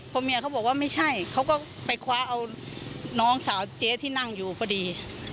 พอเมียเขาบอกว่าไม่ใช่เขาก็ไปคว้าเอาน้องสาวเจ๊ที่นั่งอยู่พอดี